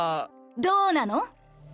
どうなの？